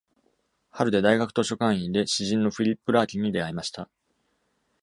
ハルで、大学図書館員で詩人のフィリップ・ラーキンに出会いました。